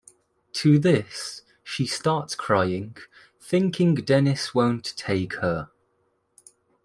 To this, she starts crying, thinking Dennis won't take her.